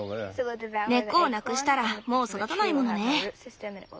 根っこをなくしたらもう育たないものね。